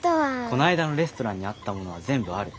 こないだのレストランにあったものは全部ある。